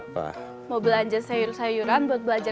bagaimana cara membuat petugas tersebut berjaya